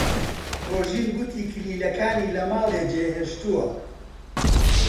ڕۆژین گوتی کلیلەکانی لە ماڵێ جێهێشتووە.